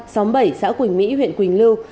xóm bảy xã quỳnh mỹ huyện quỳnh lưu